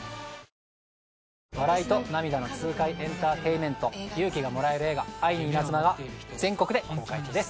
え．．．笑いと涙の痛快エンターテインメント勇気がもらえる映画『愛にイナズマ』が全国で公開中です。